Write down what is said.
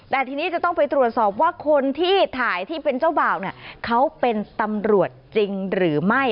แต่ทีนี้จะต้องไปตรวจสอบว่าคนที่ถ่ายที่เป็นเจ้าบ่าวเนี่ยเขาเป็นตำรวจจริงหรือไม่